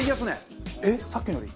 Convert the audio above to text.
えっさっきのより？